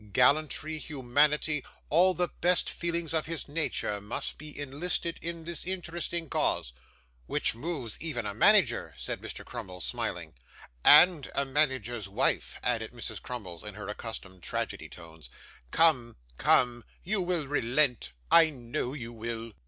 Gallantry, humanity, all the best feelings of his nature, must be enlisted in this interesting cause.' 'Which moves even a manager,' said Mr. Crummles, smiling. 'And a manager's wife,' added Mrs. Crummles, in her accustomed tragedy tones. 'Come, come, you will relent, I know you will.